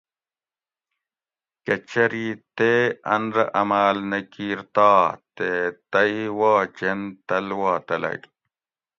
کہ چری تے ان رہ عماۤل نہ کیر تا تے تئی وا جین تۤل وا تلگ